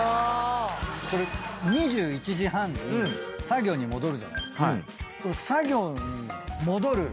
これ２１時半に作業に戻るじゃないですか。